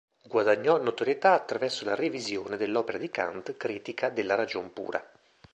Guadagnò notorietà attraverso la revisione dell'opera di Kant "Critica della ragion pura".